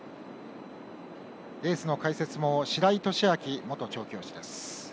レースの解説も白井寿昭元調教師です。